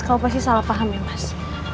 kamu pasti salah paham ya mas